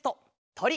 「とり」